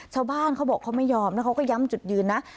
ชาวบ้านเขาบอกเขาไม่ยอมนะเขาก็ย้ำจุดยืนนะ